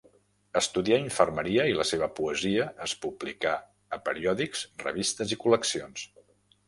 Estudià infermeria i la seva poesia es publicà a periòdics, revistes i col·leccions.